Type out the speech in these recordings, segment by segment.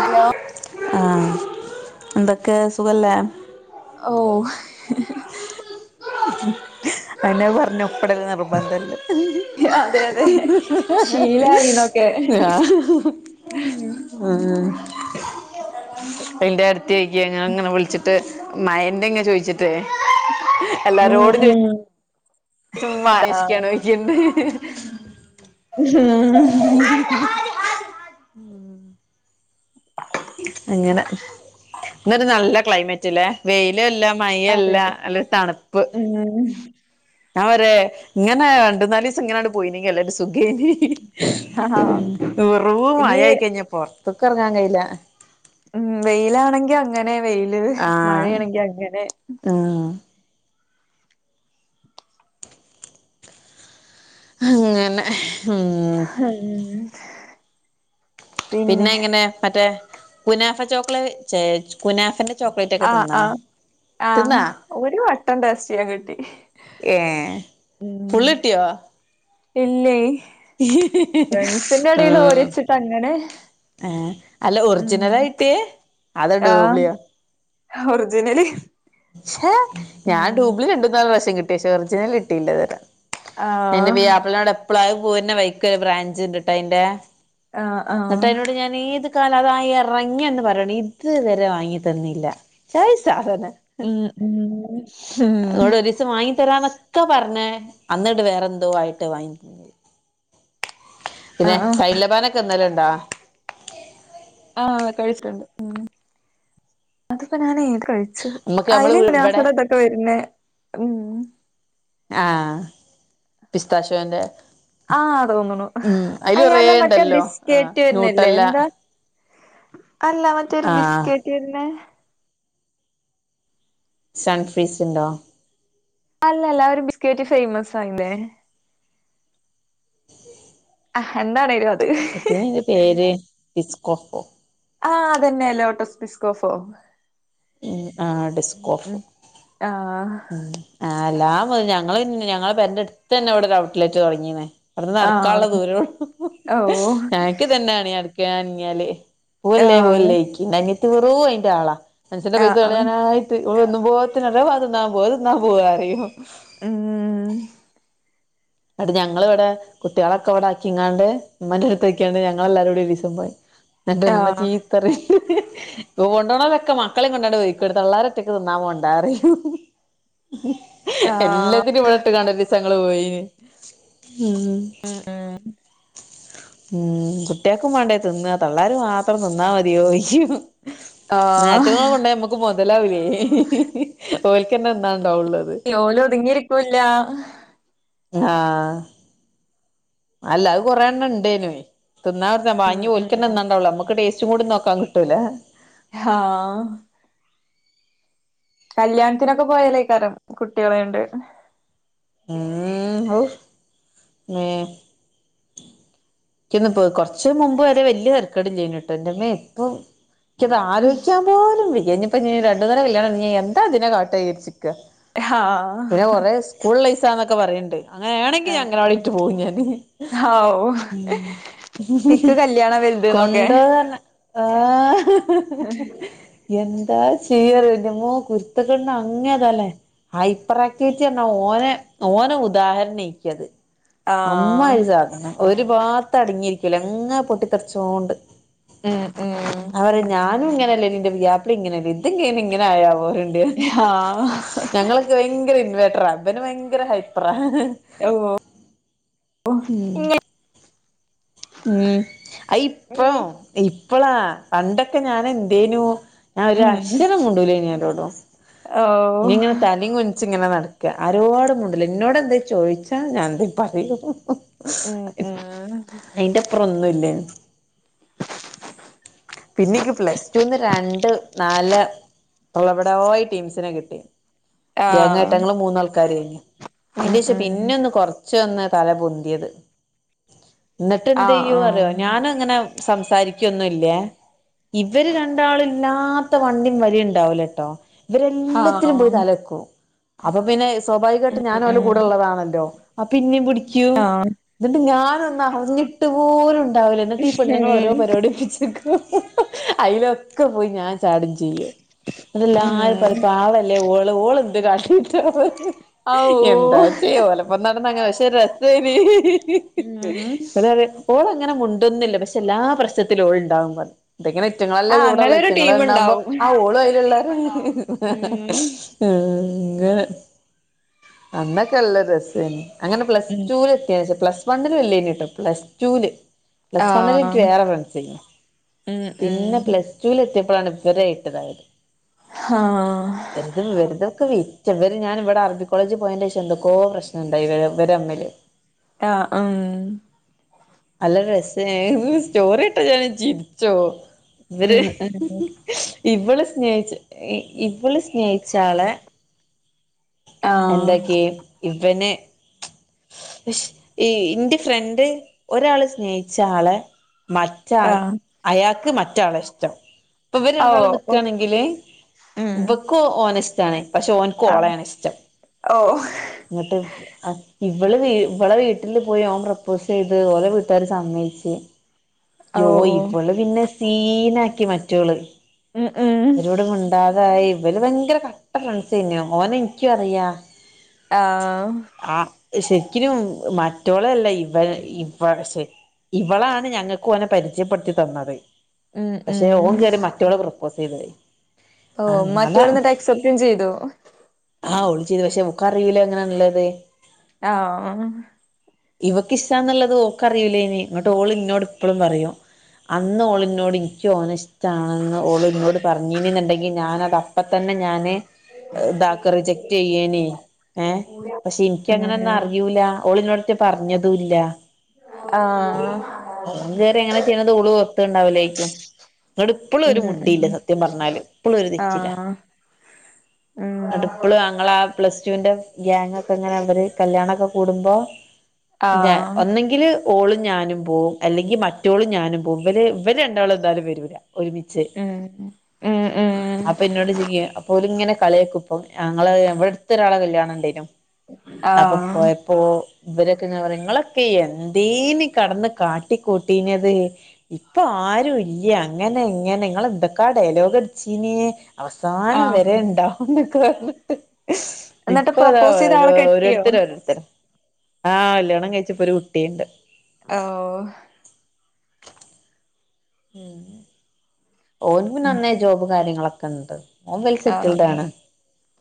Hello ആഹ് എന്തൊക്കെ സുഖല്ലേ? ഓഹ് അയിനെ പറഞ്ഞ [unintelligible] ഇപ്പട നിർബന്ധല്ല അതെ അതെ ശീലായിന്നൊക്കെ ആ ഉം [unintelligible] ഉ [unintelligible] അതിന്റെ അടുത്ത ആക്ക അങ്ങനെ അങ്ങനെ വിളിച്ചിട്ട് മയന്റെ എങ്ങെ ചോയിിച്ചിട്ടേ എല്ലാ ഉം ോഡ് ഉം ആഹ് മനഷിക്കാണ്ക്കണ്ട് ഉം ഉ ഉ [unintelligible] അങ്ങനെ എന്നരു നല്ല ക്ലൈമറ്റ് അല്ലേ വെയില അല്ല അതെ മയല്ല അതെ അല്ല തണുപ്പ് ഉം ആ വരെ ഇങ്ങനെ രണ്ട നാല് ദിവസം ഇങ്ങനാണ് പോയിനെങ്ക അല്ല് സുഖേന് ആഹ് എറ ഇനി മഴായി കഴിഞ്ഞ പൊറത്തക്കെ ഇറങ്ങാൻ കയ്യില ഉം വെയിലാണെങ്കി അങ്ങനെ വെയില് മഴയാണെങ്കി അങ്ങനെ ആഹ അങ്ങനെ ഉ ഉം പിന്നെ ഇങ്ങനെ മറ്റേ കുനാഫ ചോക്ലേ കുനാ ചോക്ലേറ്റ് ഒക്കെ തിന്നാം ആഹ ഒരു വട്ടം ടാസ്റ്റ് ചെയ്യാൻ കിട്ടി ഏ ഉം ഫുള്ളിട്ടിയോ ഇല്ലേ ഫ്രണ്ട്സിന്റെടയിൽ ഓരച്ചിട്ട് അങ്ങനെ ആഏ അല്ല ഉം ഒറിജിനൽയിട്ടേ ആഹ് ഒർജിനലി പക്ഷേ ഞാൻ ഡൂബ്ി രണ്ടും നാല് വശ്യം കിട്ടിയ പക്ഷേ ഒറിജിനൽ കിട്ടയില്ല തരാ നിന്റെ ആഹ് ബിയപ്പിളിനോട് എപ്പഴായ പൂന്നെ വൈക്ക് ഒരു ബ്രാഞ്ച് ഇണ്ട്ട്ടാ അന്റെ ആഹ് എന്നട്ട് ആഹ് എന്നതിനോട് ഞാൻ ഏത് കാലം അതായറങ്ങന്ന് പറയണം ഇത്വരെ വാങ്ങി തന്നില്ല ച സാധന ഉം ഉം ഉം ഒരീസം വാങ്ങി തരാന്നൊക്കെ പറഞ്ഞേ അന്നിട്ട് വേറെന്തോ ആയിട്ട് വാങ്ങി ആ പിന്നെ ആ സൈൻലബാനൊക്കെ ഇന്നല ഉണ്ടോ ആഹ കഴിച്ചിട്ടുണ്ട് ഉ അതിപ്പോ ഞൻ എത് കഴിച്ച നമ്മക്ക് നമ്മള് അല ഇവിടെ ാസഡത്തൊക്കെ വരുന്ന ഉ ആഹ പിസ്താശോന്റെ ആഹ തോന്നണ ഉം അയില് കൊറേ അയെല്ല മറ്റേ ഇണ്ടല്ലോ ബിസ് ആഹ് കട്ടി വരുന്നല്ലേ ന്യൂട്ടല്ല എന്താ അല്ല മറ്റേരു ആഹ് ബിസ്കറ്റ് ഇന്ന്െ സൻ ഫ്രീസ് ഉണ്ടോ അല്ല എല്ലാവരും ബിസ്കറ്റ് ഫേമസ് ആ ഇതെ ആഹ എന്താണെലു അത് എത്തേനി അയിന്റെ പേര് പിസ്കോകൊ ആഹ്‌ അതന്നെ ലോട്ടോസ് പിസ്കോഫോ ഡിസ്ക് ഓഫ് ആഹ ആ അല്ലാ മതി ഞങ്ങള്ൾ പിന്നെ ഞങ്ങള് പ എന്റെടുത്ത് തന്നെ ഇവിടെ ഒരു ഔട്ട്ലെറ്റ് തുടങ്ങീന്നേ അവിടുന്ന് ആ നടക്കാനുള്ള ദൂരള്ള ഓ ഞനക്ക് തന്നെയണ നടക്കൻഞ്ഞാല് പോവ ആ അല്ലേ പോവല്ലേക്ക് നനട്ട കുറു അതിന്റെ ആളാ മനുഷ്യ്ന്റെ ആ പൈസ ആ കളയാനായിട്ട് ഒന്നും പോത്തിനല്ല പന്നാൻ പോന്നാ പോവാറും ഉം [unintelligible] അടെ ഞങ്ങള ഇവിടെ കുട്ടിയാളൊക്കെ ഇവിടെ ആക്കിങ്ങാണ്ട് ഇമ്മന്റെടുത്താക്കിയാണ്ട് ഞങ്ങളെല്ലാരുടിം ഒരീസം പോയി എന്റെ ആ ഇമ്മ ചീത്തറിം കൊണ്ടോണോരൊക്കെ മക്കളീം കൊണ്ടാണ്ട് പോയിക്കോ തള്ളാരൊറ്റക്ക് തിന്നാ പോണ്ടാറിം ആ എല്ലാത്തിനും ഇവിടെ ഇട്ട്കാണ്ട് ഒരീസങ്ങള് പോയിന് ഉം ഉം ഉം കുട്ടിയാക്കും വാണ്ടേ തിന്ന തള്ളാര് മാത്രം തിന്നാ മതിയോയ്യിക്കും ആഹ് നേറ്റൊങ്ളെ കൊണ്ടായ നമ് ക്ക് മുതലാവില്ലേ ഓൽക്കന്നെ തിന്നാണ്ടാവുള്ളത് ഓല് ഒതുങ്ങിയിരിക്കൂല്ല ആഹ്‌ അല്ല അത് കൊറേണ്ണം ഇണ്ടേനേ തിന്ന ഉം വാങ്ങിയ ഓല്ക്കന്നെ ഉം തിന്നാണ്ടാവുള്ളു നമക്ക് ടേസ്റ്റ് കൂടെ നോക്കാ കിട്ടൂലാ ഹാ കല്യാണത്തിനൊക്കെ പോയാലേക്കാരം കുട്ടിയളെയണ്ട് ഉം ഹൗ മേ ക്യന്ന് പോ കുറച്ച് മുമ്പ് വരെ വലിയ തരക്കേടില്ല്യാന്നുട്ടോ എന്റെമ്മേ ഇപ്പൊ ഇക്ക്യത് അലോയിക്കാൻ പോലും വയ്യ ഇഞ്ഞിപ്പോ ഇ രണ്ടുന്നരം കല്യാണോടെ ണ്ട് ഞ എന്താ ഇതിനെ കാട്ടായിരിച്ച്ക്കാ ആഹ് പിന്നെ കൊറെ സ്കൂള് ള്ളസാന്നൊക്കെ പറയുണ്ട് അങ്ങനെയാണെങ്കി ഞാന് അങ്കണവാടീ ട്ട് പോവും ഞാന് ആ ഓ ഉം വലുത്ന്നൊക്കെ കൊണ്ടാവാറ്ഞ്ഞാ ആഹ്‌ എന്താ ചെയ്യാറിയോ ന്റ്റമ്മോ കുരുത്തക്കേടിന്റെ അങ്ങേറ്റലേ ഹൈപ്പർ ആക്ടിവിറ്റി പറ്ഞ്ഞാ ഓനെ ഓന ഉദാഹരണെക്ക്ത് ആഹ് അമ്മാതിരി സാധന ഒരു ഭാഗത്ത് അടങ്ങിയിരിക്കൂല ഇങ്ങ പൊട്ടിത്തെറിച്ചോണ്ട് ഉം ഉം അവര് ഞാനും ഇങ്ങനെയല്ലേനി ഇന്റെ പുയാപ്ലിം ഇങ്ങനെല്ലേനി ഇതെങ്ങെ ഇങ്ങനെ ആയാവോ പറി ആഹ് [unintelligible] ഞങ്ങളൊക്കെ ഭയങ്കര ഇൻവേട്ടറാ ഇവന് ഭയങ്കര ഹൈപറ ഔ ഉം ഉം ഉം അഇപ്പം ഇപ്പളാ പണ്ടൊക്കെ ഞാനെന്തേനു ഞാൻ ഒരു ഉം അക്ഷരം മുണ്ടൂലേനു ആരോടും ഇഞ് ഓഹ് ഇങ്ങനെ തല കു ച്ചിങ്ങനെ നടക്ക ആരോടും മുണ്ടൂല ഇന്നോട് എന്തേ ചോദിച്ചാ ഞാൻ എന്തേ പറയൂ ഉം ഉം അയിന്റപ്പുറം ഒന്നുല്ലേനു പിന്നെക്ക് പ്ലസ്റ്റൂന്ന് രണ്ട് നാല് തള്ളബഡായി ടീംസിനെ കിട്ടി ഗേങ്ങായിട്ട ആഹ് ഞങ്ങള് മൂന്നാൾക്കാരെനി ഉം ആയിന്റെഷം ഉം പിന്നെ കൊറച്ചൊന്ന് തല പൊന്തിയത് എന്നിട്ട് എന്ത് ആഹ് ചെയ്യോ അറിയോ ആഹ് ഞാന ഇങ്ങനെ സംസാരിക്കൊന്നുംല്ലേ ഇവര് രണ്ടാളും ഇില്ലാത്ത വണ്ടിയും വലയും ഉണ്ടാവൂല്ലട്ടോ ആഹ് ഇവരെല്ലത്തിനും പോയി തലക്കും അപ്പൊ പിന്നെ സ്വാഭാവികമായിട്ട് ഉം ഞാനോലെ ഉം കൂടെ ഉള്ളതാണല്ലോ ആ പിന്നിം പുടിക്യു ആഹ് ഇന്നിട്ട് ഞാനൊന്ന അറിഞ്ഞിട്ടുപോലും ഉണ്ടാവൂല ഇന്നിട്ട് ഈ പെണ്ണുങ്ങള് ഓരോ പരിപാടിപ്പിച്ചേക്കും അയിലൊക്കെ പോയി ഞാൻ ചാടും ചെയ്യും ഉം ന്നിട്ട്ല്ലാരും പറിം ഉം പാവല്ലേ ഓള് ഓള് എന്ത് കാട്ടിട്ടാ പ ഔ എന്താ ചെയ്യ ഓലപ്പം നടന്നങ്ങനെ പക്ഷെ രസെനി ഹി ഹി ഉം ട്ട് പറയും ഓള് അങ്ങനെ മുണ്ടൊന്നില്ല പക്ഷെ എല്ലാ പ്രശ്നത്തിലും ഓള് ഉണ്ടാവും പറി ഇതങ്ങനെ ഇറ്റങ്ങളല്ലേ ആ അങ്ങനെ കൂടെള്ള ഒരു റ്റങ്ങൾ ടീം ഉണ്ടാക്പോ ഉണ്ടാവും ആഹ് ഓളും അതിലുള്ളാര ഉം അങ്ങനെ അന്നക്കെ നല്ല രസേനി അങ്ങനെ പ്ലസ് ഉം ടുൽ എത്തിയ പ്ലസ് ലെനി ട്ടോ പ്ലസ് റ്റൂല് പ്ലസ് വണില് ആഹ് ഇന്ക്ക് വേറെ ഫ്രണ്സെ നി ഉം പിന്നെ ഉം പ്ലസ് റ്റൂല് എത്തിപ്പളാണ് വിവരെ ഇട്ടതായത് ആഹ് വറുതെ വെുതെകെ വിറ്റ ഇവര് ഞാന് ഇവിടെ അരബി കോളേജ് പോയേന്റെ ശേഷം എന്തൊക്കോ പ്രശ് ഇണ്ടായി [unintelligible] മിൽ ആഹ് ഉം അല്ല രസ സ്റ്റോറി ഇട്ട് ഞാൻ ചിരിച്ചോവും ഇവര് ഉം ഉം ഇവള് സ്നേഹിച്ച ഇവള് സ്നേഹിച്ചാളെ ആഹ് എന്തൊക്കെ ഇവന് ഈ ഇന്റെ ഫ്രണ്ട് ഒരാള് സ്നേഹിച്ച ആളെ മ ച്ച ആഹ് അയാക്ക് മറ്റാളെ ഇഷ്റ്റം ഇപ്പ ഇവര് രണ്ടാളും ഓഹ് നിക്കാണങ്കില് ഉം ഇവക്ക് ഓനെ ഇഷ്ടാണ് പക്ഷെ ഓന്ക്ക് ഓളെണ് ഇ ഓ ഇങ്ങട്ട് ആഹ് ഇവള് വി ഇവളെ വീട്ടില് പോയി ഓൻ പ്രൊപ്പോസ് ചെയ്ത് ഓലെ വീട്ടുകാര് സമ്മയിച്ച് ജോയ് ഓഹ് ഇവള് പിന്നെ സീനാക്കി മറ്റോള് ഉം [unintelligible] ഇവരോട് മുണ്ടാതായി ഇവര് ഭയങ്കര കട്ട ഫ്രണ്ട്സെനി ഓന് ഇനിക്കും അറിയാ ആഹ് ആഹ് ശെരിക്കിനും മറ്റോളല്ല ഇവ ഇപ്പ സെ ഇവളാണ് ഞങ്ങക്ക് ഓനെ പരിചയപ്പെടുത്തി തന്നത് ഉം പക്ഷെ ഉം ഓൻ കയം മറ്റവള പ്രൊപ്പോസ് ചെയ്ത ഓ മറ്റോള് നിട്ട് എസെപ്റ്റും ചെയ്തു ആഹ് ഓള് ചെയ്ത് പക്ഷെ ഓക്ക് അറിയില്ലോങ്ങനാണള്ളത് ആഹ് [inaudible] ഇവക്ക് ഇഷ്ടാ എന്ന്ള്ളത് ഓക്ക് അറിയുലേനി ഇങ്ങട്ട് ഓള് ഇനോട് ഇപ്പളും പറയും അന്ന് ഓള് നോട് ഇന്ക്ക് ഓന ഷ് ആണെന്ന് ഓള് ഇന്നോട് പറഞ്ഞിനിണ്ടെങ്കി ഞാനത് അപ്പ തന്നെ ഞാന് ഇത ജക്റ്റ് ചെയ്യനീ ഏഹ പക്ഷെ എന്ക്ക് ഉം അങ്ങനെന്നും അറിയൂല ഓള് നോട ഇനോടറ്റെ പറഞ്ഞ തുല്ല ആഹ് ഓന് [unintelligible] ഇങ്ങനെ ചെയ്യണത് ഓള് ഓ ഉണ്ടാവില്ലേക്കും ഇങ്ങട്ട് ഇപ്പളും ഒരു ഉം മുണ്ടില്ല ഉം സത്യം പറഞ്ഞാല് ഇപ്പളും ഒര് തെറ്റില്ല ആഹ് ഉം ഇന്നട്ട് ഇപ്പളും അങ്ങള ആഹ് പ്ലസ്ടുന്റെ കേങ് ഒക്കെ ഇങ്ങനെ അവര് കല്യാണക്കെ കൂടുമ്പോ ഞാ ആഹ് ഒന്നെങ്കില് ഓളും ഞാനും പോവും അല്ലെങ്കിൽ മറ്റോളും ഞാനും പോവും ഇവര് ഇവര് രണ്ടാളും എന്താലും വരൂല്ല ഒരു മി ച്ച് ഉം ഉം ഉം അപ്പ ഇന്നോട് [unintelligible] അപ്പോല് ഇങ്ങനെ കളിയാക്കും പ്പം ഞങ്ങള് ഞ്ഞങ്ങളെ ട്ത്തൊരാളെ കല്യാണണ്ടെനു, അപ്പ ആഹ് പോയ പ്പൊ ഇവരൊക്കങ്ങ പറി ങ്ങളൊക്കെ എന്തേനി കട്ന്ന് കാട്ടിക്കൂട്ടീഞ്ഞത്. ഇപ്പൊ ആരൂല്ല്യ അങ്ങനെ ഇങ്ങനെ ങ്ങളെന്തക്കാ ഡയലോഗട്ച്ചീനേ? അവസാനം വരെ ആഹ് ഉണ്ടാവും ന്നൊക്കെ പറഞ്ഞിട്ട് എന്നിട്ട് ഇപ്പൊ താ പ്രൊപ്പോസ് ചെയ്ത ആളെ കെട്ടിയോ ഓരോരുത്തര് ഓരോരുത്തരാ ആഹ് കല്യാണം കഴിച്ച് ഇപ്പം ഒരു കുട്ടിണ്ട് അഓ ഓന് പിന്നെ അന്നേ ജോബ് കാര്യങ്ങളക്കെ ഇണ്ട് ഓ വെൽ സെറ്റിൽഡ് ആഹ് ആണ്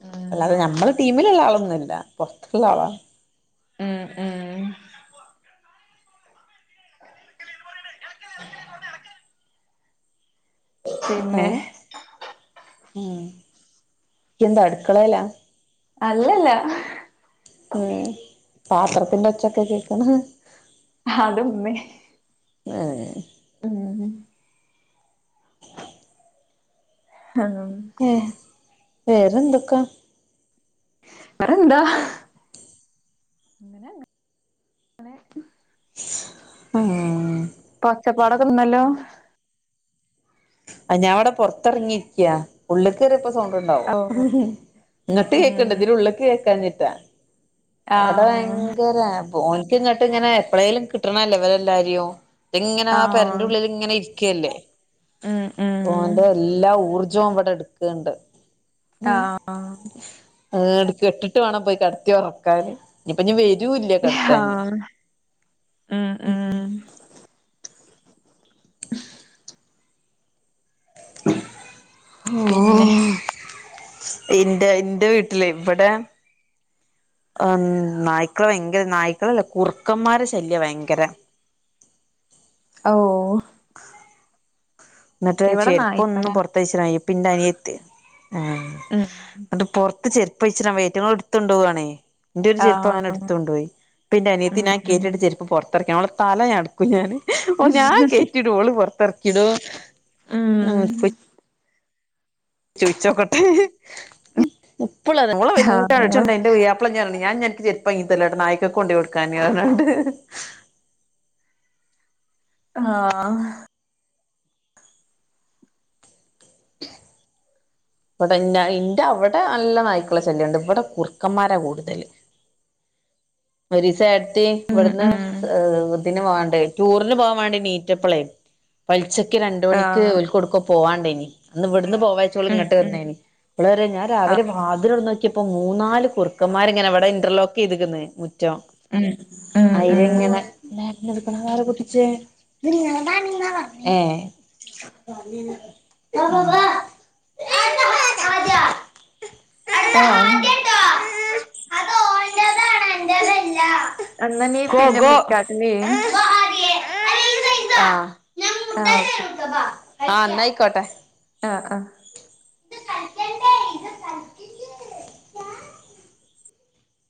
ഉം അല്ലാതെ നമ്മള് ടീമിലുള്ള ആളൊന്നുംല്ല പോറത്ത്ള്ള ആളാണ് ഉം ഉം ഏ പിന്നെ ഏ ഇയന്താ അടുക്കളയിലാ അല്ലല്ലാ. ഹേ പാത്രത്തിന്റോച്ചൊക്ക ക്കേക്കണേ. ഹതുമ്മേ. ഏഹ്. ഉം. ഹാ... ഏഹ് വേറെന്തൊക്കാ? വെറെന്താ? ങ്ങനെ ങ്ങനെ. സ് ആഹ്. പ ഒച്ചപ്പാടൊക്കെന്നല്ലോ? ആ ഞാവടെ പൊർത്തർങ്ങിര്ക്ക്യാ. ഉള്ള്ക്കേറിയപ്പൊ സൗണ്ട് ണ്ടാവു ഓഹ് ഇങ്ങട്ട് കേക്ക്ണ്ട് ഉം ഇതിനുള്ള്ക്ക് കേക്കാഞ്ഞിട്ടാ. വടെ ആഹ് വയങ്കര ബോ ഓൽക്ക്ങ്ങട്ട്ങ്ങനെ എപ്പളേലും കിട്ടണല്ലേവരെല്ലാര്യൂ. എങ്ങനാ ആഹ് പെരന്റുള്ളിലിങ്ങനെ ഇരിക്കല്ലേ? ഉം ഉം ഓന്റെല്ലാ ഊർജ്ജോ വടെട്ക്ണ്ട്. ആഹ് ഹ്. ആഹ് ട് കെട്ട്ട്ടുവേണം പോയികെടത്തി ഒറക്കാന്. ഞ്ഞിപ്പഞ് വെരൂല്ല കട്ക്കാൻ. ആഹ് ഉം ഉം [inaudible] പിന്നെ ഓഹ്. ഇന്റ ഇന്റെ വീട്ടില് വടെ അന്ന് നായ്ക്കള വയങ്കര നായ്ക്കളല്ല കുറുക്കമ്മാരെ ശല്യ വയങ്കര. അ ഓഹ്. ന്നട്ട് ഇവിടെ നായ്ക്കളാ ചെര്പ്പൊന്നുംപൊർ പൈശറായി പ്പിന്റനിയത്തി ആ ഉം അണ്ട് പൊർത്ത് ചെ പൈച്ടാൻവയ്യ യ്റ്റങ്ങള്ട്ത്തോണ്ടോവാണെയ്. ന്റൊരുചെരുപ്പങ്ങനെ ആഹ് ഇട്തൊണ്ടോയി പ്പെന്റെനിയത്തി ഉം ഞാ ഉം കേറ്റിട്ട ചെരുപ്പ്പൊർത്തർക്കിയാ ഓള തലഞാ ക്കുംഞാന് ഒ ഞാകേറ്റിടു ഓള് പൊർത്തർക്കിടും ഉം മ കൊ ചോയ്ച്ചോക്കട്ടെ എപ്പളതെ ഓളെ [unintelligible] ആഹ് ച്ചണ്ട ഇന്റെ പുയാ പ്ല ഞാർഞ് ഞാനിഞൻക്ക് ചെരുപ്പാങ്ങിത്തര്ലട്ടോ നായ്ക്കക്കോണ്ടോയെടുക്കാന് അർഞാണ്ട്. ആഹ്. [inaudible] വടെന്റ ഇന്റവടെ നല്ല നായ്ക്കള ശല്യണ്ട് വടെ കുർക്കമ്മാരാ കൂടുതല്. ഒരിസേ ത്തി ഉം വട്ന്ന് ഉം ഇതിന് വാണ്ടേ ടൂറിന് പോവാൻ വേണ്ടി നീറ്റപ്പളെ പൽച്ചക്ക് രണ്ട്മണിക്ക് ആഹ് ഓൽക്കൊടുക്കോ പോവാണ്ടെനി ന്ന് ഇവട്ന്ന് ഉം പോവാച്ചോള്ങ്ങട്ട് വച്ചോളൂങ്ങട്ട് ഉം ന്നേനി ഓള്‌പറയാ ഞാൻരാവിലേ ആഹ് അതിലൊർന്നോക്യപ്പോ മൂന്നാല് കുറുക്കമ്മാര് ങ്ങനെ വടെ ഇന്റർലോക്കീതുക്ക്ന്ന് മുറ്റം. ഉം. ഉം ഉം അയ്ലങ്ങനെ [unintelligible] ആരാ പൊട്ടിച്ചേ. ത് ങ്ങ ഇതാണ് ന്ന ഏ ആഹ് അന്നനെം ഗോ പിന്ന ഫ്ലിക്കാട്ടിലേം. ആഹ് ആഹ് ഓക്കെ ആ ന്നയിക്കോട്ടേ ആഹ് ആഹ്.